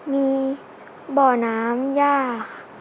มีบ่อน้ำย่าค่ะ